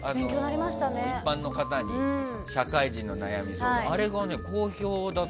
一般の方に社会人の悩み相談。